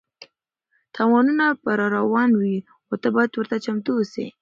تاوانونه به راروان وي خو ته باید ورته چمتو اوسې.